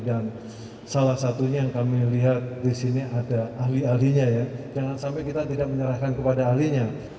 dan salah satunya yang kami lihat di sini ada ahli ahlinya ya jangan sampai kita tidak menyerahkan kepada ahlinya